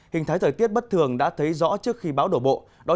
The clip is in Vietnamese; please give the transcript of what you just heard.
hình thái thời tiết bất thường đã thấy rõ trước khi bão đổ bộ